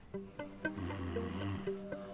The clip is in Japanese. ふん。